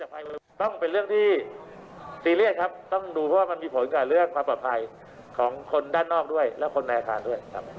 หลุมตัวเพิ่มหรือว่ามันหยุดแล้ว